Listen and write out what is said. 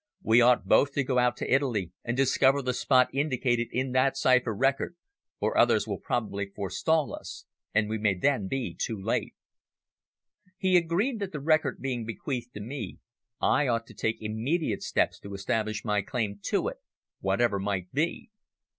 We ought both to go out to Italy and discover the spot indicated in that cipher record, or others will probably forestall us, and we may then be too late." He agreed that the record being bequeathed to me, I ought to take immediate steps to establish my claim to it, whatever might be.